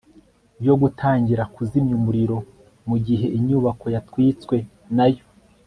yo gutangira kuzimya umuriro mu gihe inyubako yatwitswe na yo